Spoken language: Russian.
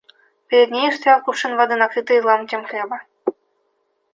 Перед нею стоял кувшин воды, накрытый ломтем хлеба.